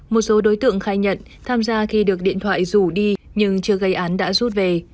một số đối tượng khai nhận tham gia khi được điện thoại rủ đi nhưng chưa gây án đã rút về